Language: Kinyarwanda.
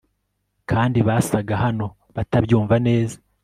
kandi basaga naho batabyumva neza